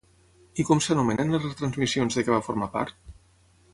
I com s'anomenen les retransmissions de què va formar part?